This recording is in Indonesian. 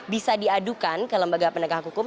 bisa diadukan ke lembaga penegak hukum